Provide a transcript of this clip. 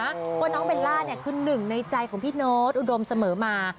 เพราะว่าน้องเบลล่าเนี่ยคือหนึ่งในใจของพี่โน๊ตอุดมเสมอมา